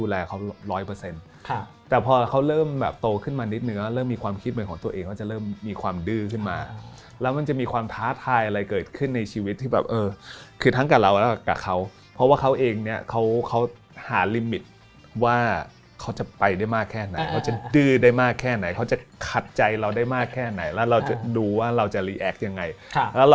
หรือว่าเราอยากให้เขาทำแบบนี้เขาไม่ทำแบบนี้